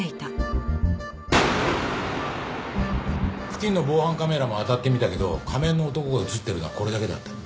付近の防犯カメラも当たってみたけど仮面の男が映ってるのはこれだけだった。